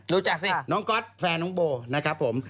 รู้จักสิ